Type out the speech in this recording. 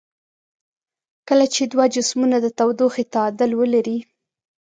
کله چې دوه جسمونه د تودوخې تعادل ولري.